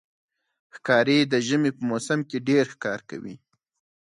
ښکاري د ژمي په موسم کې ډېر ښکار کوي.